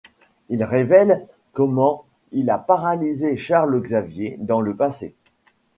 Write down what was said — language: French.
Il révèle comment il a paralysé Charles Xavier, dans le passé.